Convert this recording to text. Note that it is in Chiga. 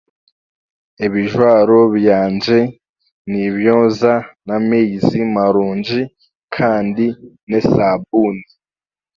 Ebijwaro byangye nimbyoza n'amaizi marungi kandi n'esaabuni